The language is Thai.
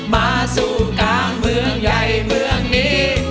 มาสู่กลางเมืองใหญ่เมืองนี้